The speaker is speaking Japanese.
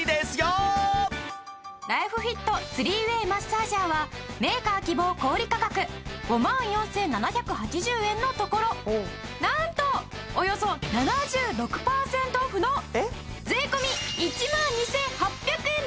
ライフフィット３ｗａｙマッサージャーはメーカー希望小売価格５万４７８０円のところなんとおよそ７６パーセントオフの税込１万２８００円だぞ！